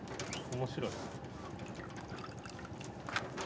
面白い。